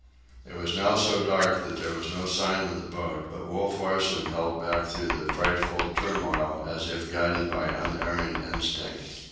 It was now so dark that there was no sign of the boat; but Wolf Larsen held back through the frightful turmoil as if guided by unerring instinct.